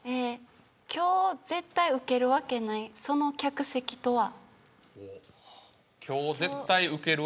今日絶対ウケるわけないその客席とは。